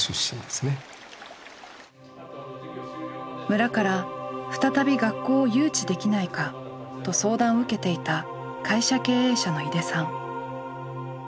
村から「再び学校を誘致できないか」と相談を受けていた会社経営者の井手さん。